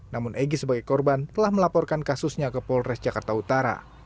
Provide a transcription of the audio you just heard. namun egy sebagai korban telah melaporkan kasusnya ke polres jakarta utara